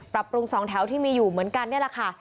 ปรับปรุงสองแถวที่มีอยู่เหมือนกันนี่แหละค่ะ